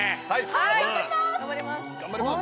はい頑張ります！